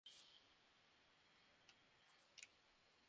সবাই হাত লাগান!